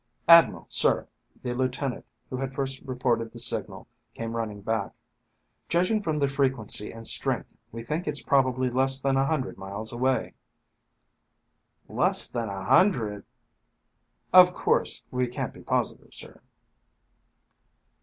"Admiral, sir," the lieutenant who had first reported the signal came running back. "Judging from the frequency and strength, we think it's probably less than a hundred miles away." "Less than a hundr ..." "Of course, we can't be positive, sir."